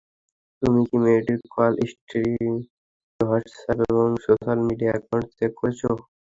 তুমি কি মেয়েটির কল হিস্ট্রি, হোয়াটসঅ্যাপ এবং সোশ্যাল মিডিয়া অ্যাকাউন্ট চেক করেছ?